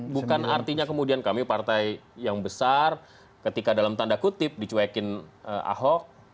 dan artinya kemudian kami partai yang besar ketika dalam tanda kutip dicuekin ahok